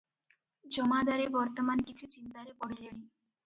ଜମାଦାରେ ବର୍ତ୍ତମାନ କିଛି ଚିନ୍ତାରେ ପଡ଼ିଲେଣି ।